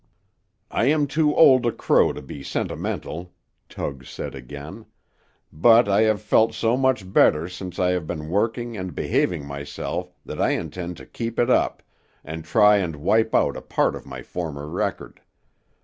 "I am too old a crow to be sentimental," Tug said again, "but I have felt so much better since I have been working and behaving myself that I intend to keep it up, and try and wipe out a part of my former record.